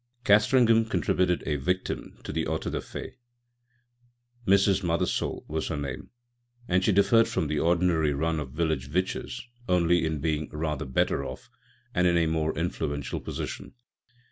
Castringham contributed a victim to the auto da fĂŞ. Mrs. Mothersole was her name, and she differed from the ordinary run of village witches only in being rather better off and in a more influential position.